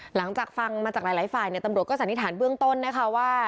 หลังจากฟังมาจากหลายฝ่ายตำรวจก็สันนิษฐานเบื้องต้นนะคะว่า